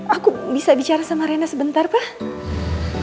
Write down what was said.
aku bisa bicara sama rena sebentar pak